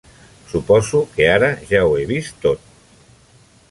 Suposo que ara ja ho he vist tot.